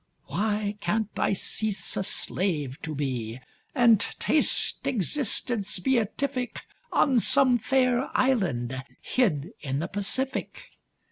Why can't I cease a slave to be, And taste existence beatific On some fair island, hid in the Pacific?